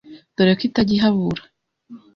dore ko itajya ihabura.